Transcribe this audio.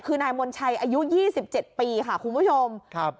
คือนายมนชายอายุยี่สิบเจ็ดปีค่ะคุณผู้ชมครับ